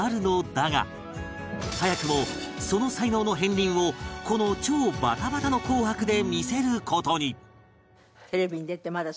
早くもその才能の片鱗をこの超バタバタの『紅白』で見せる事に